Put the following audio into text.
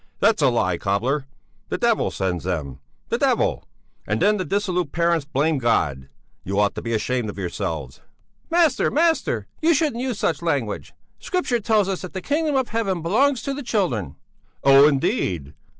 "That's a lie, cobbler! The devil sends them! The devil! And then the dissolute parents blame God! You ought to be ashamed of yourselves!" "Master, master! You shouldn't use such language! Scripture tells us that the kingdom of heaven belongs to the children." "Oh, indeed!